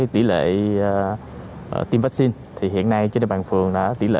tỷ lệ tiêm vaccine hiện nay trên địa bàn phường là tỷ lệ chín mươi tám